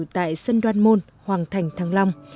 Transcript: tại sân đoan môn hoàng thành thăng long